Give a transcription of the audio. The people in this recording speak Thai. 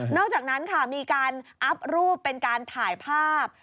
อกจากนั้นค่ะมีการอัพรูปเป็นการถ่ายภาพ